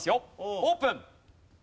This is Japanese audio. オープン。